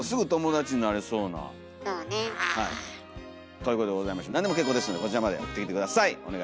ということでございましてなんでも結構ですのでこちらまで送ってきて下さい！